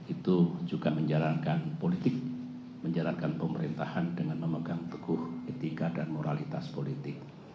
itu juga menjalankan politik menjalankan pemerintahan dengan memegang teguh etika dan moralitas politik